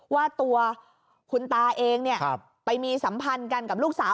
ว่าตัวคุณตาเองไปมีสัมพันธ์กันกับลูกสาว